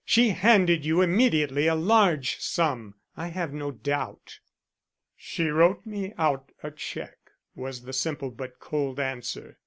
She handed you immediately a large sum, I have no doubt." "She wrote me out a check," was the simple but cold answer.